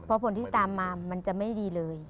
เพราะผลที่ตามมามันจะไม่ดีเลย